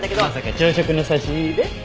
まさか朝食の差し入れ？